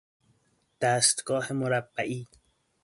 دستگاه مربعی